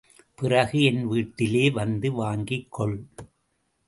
பிறகு என் வீட்டிலே வந்து வாங்கிக் கொள்.